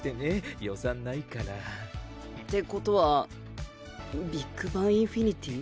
予算ないから。って事はビッグバン・インフィニティー？